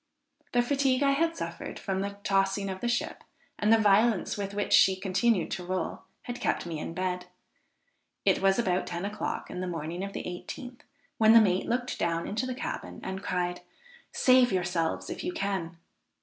The fatigue I had suffered from the tossing of the ship, and the violence with which she continued to roll, had kept me in bed. It was about ten o'clock in the morning of the 18th, when the mate looked down into the cabin and cried, "save yourselves if you can!"